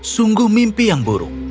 sungguh mimpi yang buruk